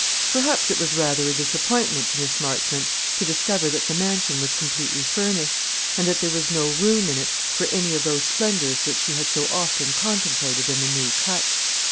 Perhaps it was rather a disappointment to Miss Marchmont to discover that the mansion was completely furnished, and that there was no room in it for any of those splendours which she had so often contemplated in the New Cut.